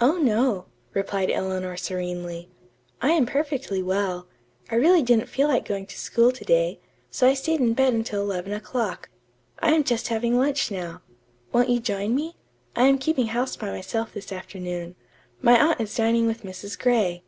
"Oh, no," replied Eleanor serenely. "I am perfectly well. I really didn't feel like going to school to day, so I stayed in bed until eleven o'clock. I am just having lunch now. Won't you join me? I am keeping house by myself this afternoon. My aunt is dining with Mrs. Gray."